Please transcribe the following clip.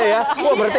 nggak ada di malaysia ya